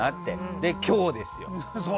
で、今日ですよ。